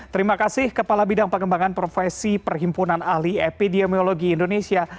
terima kasih kepala bidang pengembangan profesi perhimpunan ahli epidemiologi indonesia